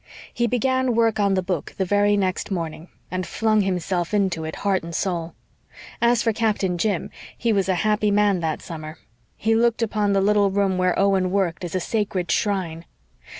He began work on the book the very next morning, and flung himself into it heart and soul. As for Captain Jim, he was a happy man that summer. He looked upon the little room where Owen worked as a sacred shrine.